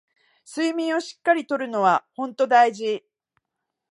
睡眠をしっかり取るのはほんと大事